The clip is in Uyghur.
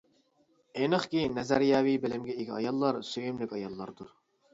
ئېنىقكى، نەزەرىيەۋى بىلىمگە ئىگە ئاياللار سۆيۈملۈك ئاياللاردۇر.